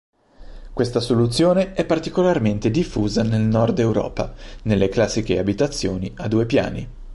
Questa soluzione è particolarmente diffusa nel nord Europa, nelle classiche abitazioni a due piani.